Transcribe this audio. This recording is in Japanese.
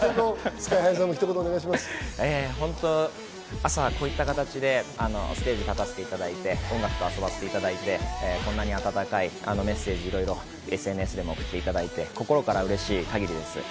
朝、こういった形でステージに立たせていただいて、音楽と遊ばせていただいて、こんなに温かいメッセージをいろいろ送っていただいて、心から嬉しい限りです。